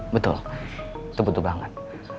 betul itu betul banget